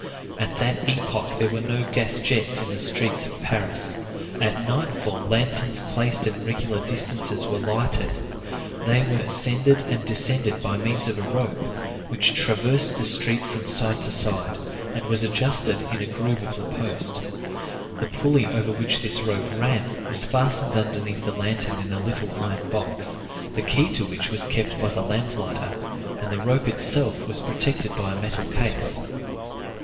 At that epoch there were no gas jets in the streets of Paris. At nightfall lanterns placed at regular distances were lighted; they were ascended and descended by means of a rope, which traversed the street from side to side, and was adjusted in a groove of the post. The pulley over which this rope ran was fastened underneath the lantern in a little iron box, the key to which was kept by the lamp lighter, and the rope itself was protected by a metal case.